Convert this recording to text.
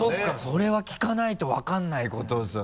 それは聞かないと分からないことですよね。